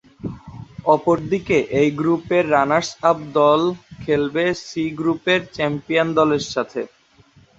অপর দিকে এই গ্রুপের রানার্স-আপ দল খেলবে সি গ্রুপের চ্যাম্পিয়ন দলের সাথে।